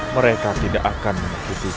mereka tidak akan menekuti